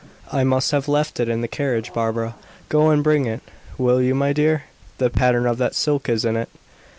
"I must have left it in the carriage, Barbara. Go and bring it, will you, my dear? The pattern of that silk is in it."